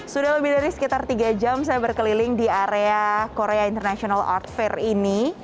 sudah lebih dari sekitar tiga jam saya berkeliling di area korea international art fair ini